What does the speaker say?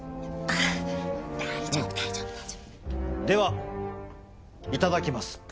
ではいただきます。